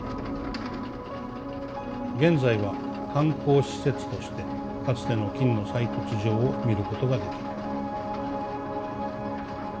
「現在は観光施設としてかつての金の採掘場を見ることができる」。